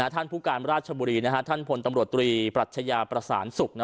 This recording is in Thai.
ท่านผู้การราชบุรีท่านพลตำรวจตรีปรัชญาประสานสุข